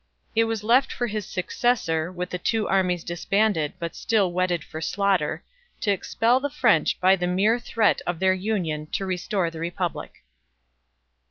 It was left for his successor, with the two armies disbanded, but still whetted for slaughter, to expel the French by the mere threat of their union to restore the republic.